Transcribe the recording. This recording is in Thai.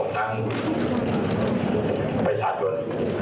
ทางภาชาชน